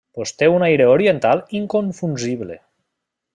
Té un aire Oriental inconfusible.